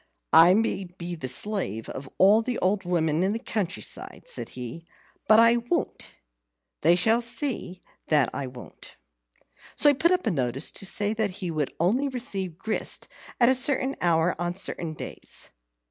"I may be the slave of all the old women in the country side," said he; "but I won't they shall see that I won't." So he put up a notice to say that he would only receive grist at a certain hour on certain days.